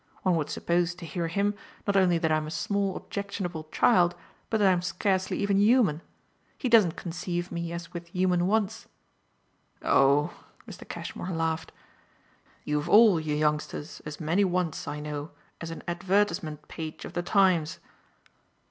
One would suppose, to hear him, not only that I'm a small objectionable child, but that I'm scarcely even human. He doesn't conceive me as with human wants." "Oh," Mr. Cashmore laughed, "you've all you youngsters as many wants, I know, as an advertisement page of the Times."